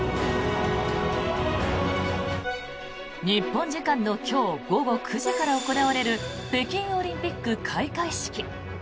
日本時間の今日午後９時から行われる北京オリンピック開会式。